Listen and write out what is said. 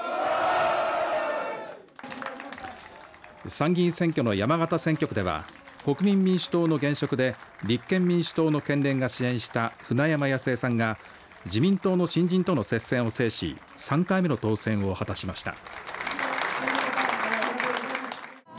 参議院選挙の山形選挙区では国民民主党の現職で立憲民主党の県連が支援した舟山康江さんが自民党の新人との接戦を制し３回目の当選を果たしました。